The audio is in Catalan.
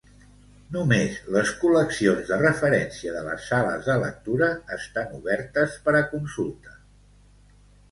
Només les col·leccions de referència de les sales de lectura estan obertes per a consulta.